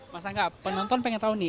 mas angga penonton pengen tahu nih